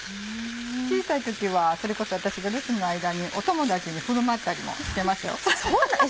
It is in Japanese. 小さい時はそれこそ私が留守の間に友達に振る舞ったりもしてましたよ。